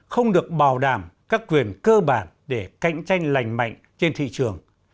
không được bảo đảm các quyền cơ bản để cạnh tranh lành mạnh trên thị trường